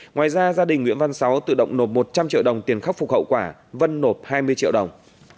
ngoài ra gia đình nguyễn văn sáu tự động nộp một trăm linh triệu đồng tiền khắc phục hậu quả vân nộp hai mươi triệu đồng